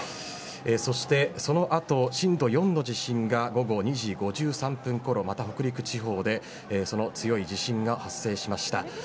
そしてその後、震度４の地震が午後２時５３分ごろまた北陸地方でその強い地震が発生しました。